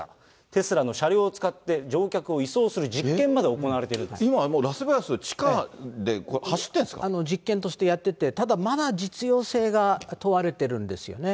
テスラの車両を使って、乗客を移送する実験まで行われているんで今もう、ラスベガスの地下で実験としてやってて、ただ、まだ実用性が問われてるんですよね。